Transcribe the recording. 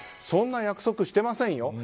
そんな約束してませんよ。